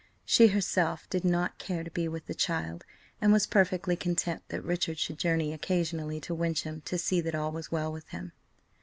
She herself did not care to be with the child, and was perfectly content that Richard should journey occasionally to Wyncham to see that all was well with him.